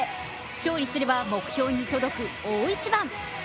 勝利すれば目標に届く大一番。